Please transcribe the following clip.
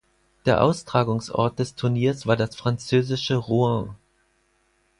Der Austragungsort des Turniers war das französische Rouen.